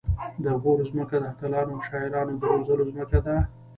د غور ځمکه د اتلانو او شاعرانو د روزلو ځمکه ده